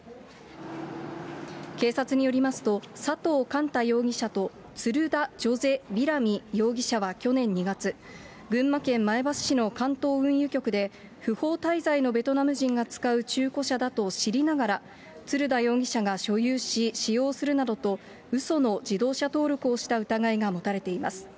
警察によりますと、佐藤かんた容疑者と、ツルダ・ジョゼ・ウィラミ容疑者は去年２月、群馬県前橋市の関東運輸局で、不法滞在のベトナム人が使う中古車だと知りながら、ツルダ容疑者が所有し、使用するなどとうその自動車登録をした疑いが持たれています。